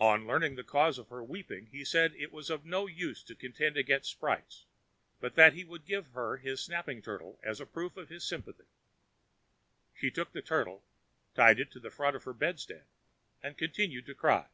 On learning the cause of her weeping, he said it was of no use to contend against sprites, but that he would give her his snapping turtle as a proof of his sympathy. She took the turtle, tied it in front of her bedstead, and continued to cry.